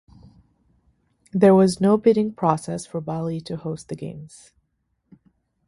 There was no bidding process for Bali to host the games.